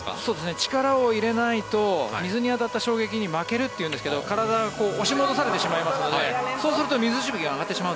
力を入れないと水に当たった衝撃に負けると言うんですけど体が押し戻されてしまいますのでそうすると水しぶきが上がる。